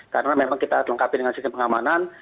karena memang kita lengkapi dengan sistem pengamanan